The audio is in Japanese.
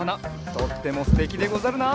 とってもすてきでござるな！